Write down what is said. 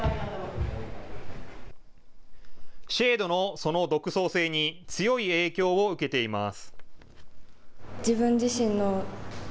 ＳＨＡＤＥのその独創性に強い影響を受けています。